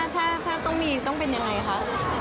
ถ้าต้องมีต้องเป็นยังไงคะ